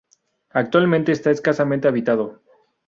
Actualmente está escasamente habitado.